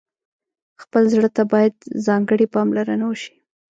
خپل زړه ته باید ځانګړې پاملرنه وشي.